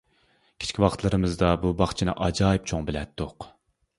كىچىك ۋاقىتلىرىمىزدا بۇ باغچىنى ئاجايىپ چوڭ بىلەتتۇق.